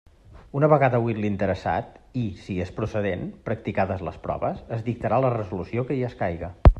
Una vegada oït l'interessat i, si és procedent, practicades les proves, es dictarà la resolució que hi escaiga.